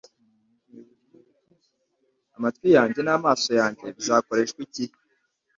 Amatwi yanjye n'amaso yanjye bizakoreshwa iki